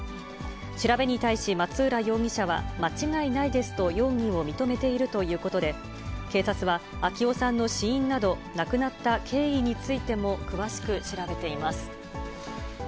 調べに対し松浦容疑者は、間違いないですと容疑を認めているということで、警察は、昭男さんの死因など、亡くなった経緯についても詳しく調べています。